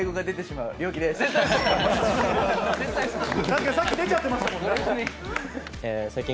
だってさっき出ちゃってましたもんね。